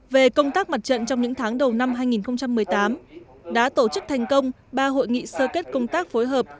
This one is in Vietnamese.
về công tác mặt trận trong những tháng đầu năm hai nghìn một mươi tám đã tổ chức thành công ba hội nghị sơ kết công tác phối hợp